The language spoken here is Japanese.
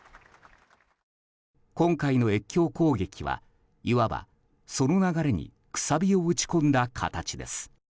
今回の越境攻撃はいわば、その流れにくさびを打ち込んだ形です。